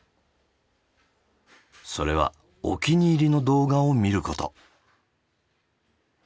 それはお気に入りの動画を見ること。